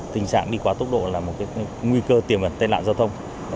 tình trạng đi quá tốc độ là một nguy cơ tiềm ẩn tai nạn giao thông